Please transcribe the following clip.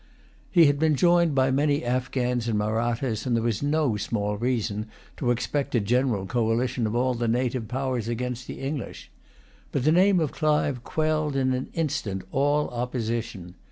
He had been joined by many Afghans and Mahrattas, and there was no small reason to expect a general coalition of all the native powers against the English. But the name of Clive quelled in an instant all opposition.